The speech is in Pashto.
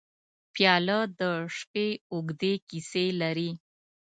پیاله د شپې اوږدې کیسې لري.